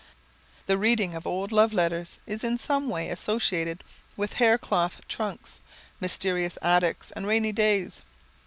The reading of old love letters is in some way associated with hair cloth trunks, mysterious attics, and rainy days.